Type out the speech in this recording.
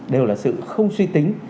đều là sự không suy tính